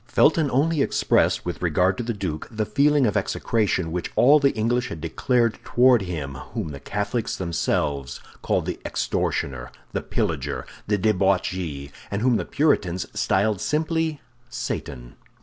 Felton only expressed, with regard to the duke, the feeling of execration which all the English had declared toward him whom the Catholics themselves called the extortioner, the pillager, the debauchee, and whom the Puritans styled simply Satan.